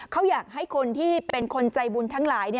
เขาอยากให้คนที่เป็นคนใจบุญทั้งหลาย